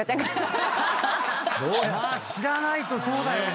知らないとそうだよね。